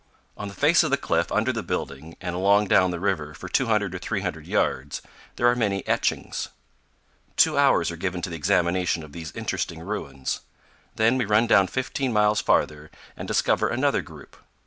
On the face of the cliff, under the building and along down the river for 200 or 300 yards, there are many etchings. Two hours are given to the examination of these interesting ruins; then we run down fifteen miles farther, and discover another group.